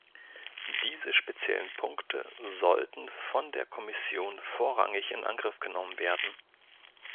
Diese speziellen Punkte sollten von der Kommission vorrangig in Angriff genommen werden.